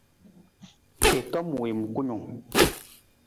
I tom wiim kunung.